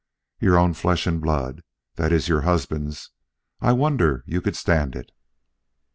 "Your own flesh and blood that is, your husband's. I wonder you could stand it."